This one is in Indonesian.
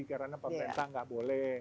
karena pembenta nggak boleh